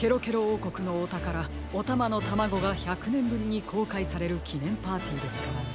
おうこくのおたからおたまのタマゴが１００ねんぶりにこうかいされるきねんパーティーですからね。